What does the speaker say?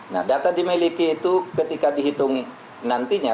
nah data dimiliki itu ketika dihitung nantinya